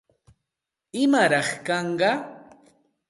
¿Imaraq kanqa?